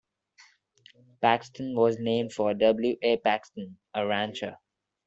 Paxton was named for W. A. Paxton, a rancher.